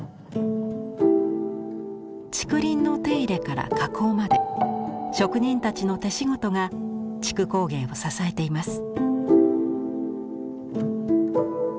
竹林の手入れから加工まで職人たちの手仕事が竹工芸を支えています。